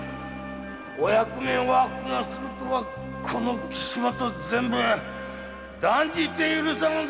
お役目を悪用するとはこの岸本善兵衛断じて許さぬぞ。